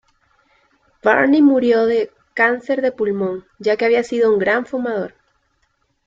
Varney murió de cáncer de pulmón ya que había sido un gran fumador.